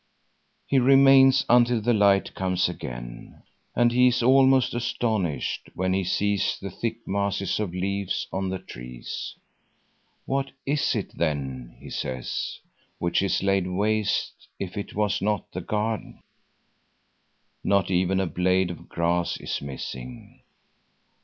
He remains until the light comes again, and he is almost astonished when he sees the thick masses of leaves on the trees. "What is it, then," he says, "which is laid waste if it was not the garden? Not even a blade of grass is missing.